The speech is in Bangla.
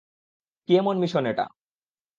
কী এমন মিশন এটা?